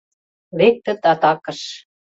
Лектыт атакыш.